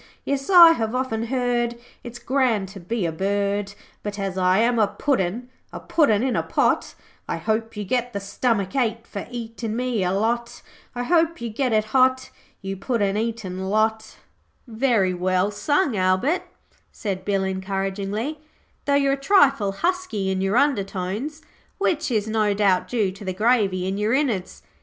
Yes, I have often heard It's grand to be a bird. 'But as I am a puddin', A puddin' in a pot, I hope you get the stomach ache For eatin' me a lot. I hope you get it hot, You puddin' eatin' lot!' 'Very well sung, Albert,' said Bill encouragingly, 'though you're a trifle husky in your undertones, which is no doubt due to the gravy in your innards.